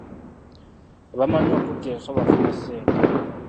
Abamanyi okutta enswa bafuna ssente.